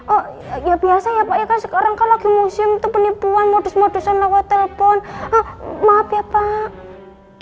oh ya biasa ya pak ya kan sekarang kan lagi musim penipuan modus modusan lawat telepon maaf ya pak